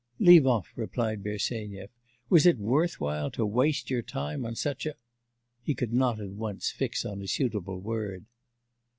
'Leave off,' replied Bersenyev. 'Was it worth while to waste your time on such a ' He could not at once fix on a suitable word.